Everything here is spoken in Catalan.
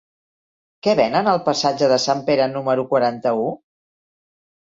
Què venen al passatge de Sant Pere número quaranta-u?